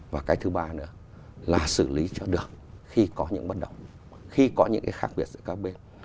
và cái thứ ba nữa là xử lý cho được khi có những bất động khi có những cái khác biệt giữa các bên